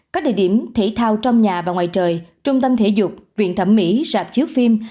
các địa điểm thể thao trong nhà và ngoài trời trung tâm thể dục viện thẩm mỹ sạp chiếu phim